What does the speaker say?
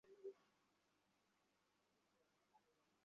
কী কাজ করো, নিকোল?